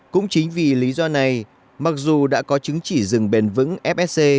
cũng chính vì lý do này mặc dù đã có chứng chỉ rừng bền vững fsc